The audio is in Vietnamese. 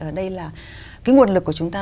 ở đây là cái nguồn lực của chúng ta